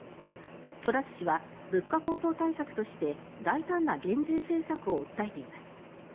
トラス氏は物価高騰対策として大胆な減税政策を訴えています。